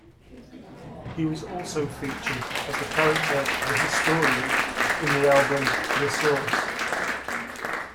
He was also featured as the character "The Historian" in the album "The Source".